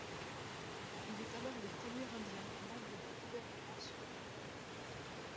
Il est alors le premier Indien membre d'un gouvernement sud-africain.